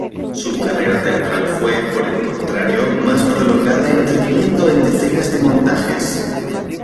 Su carrera teatral fue, por el contrario, más prolongada interviniendo en decenas de montajes.